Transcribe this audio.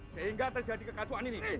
sehingga terjadi kekacauan ini